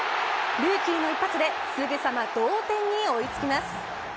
ルーキーの一発ですぐさま同点に追い付きます。